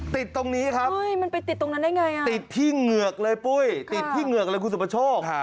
ติดตรงนี้ครับติดที่เหงือกเลยปุ้ยติดที่เหงือกเลยคุณสุภาโชค